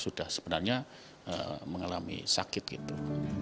sudah sebenarnya mengalami sakit gitu